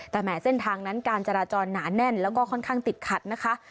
แต่แหมเส้นทางนั้นการจราจรหนาแน่นแล้วก็ค่อนข้างติดขัดนะคะ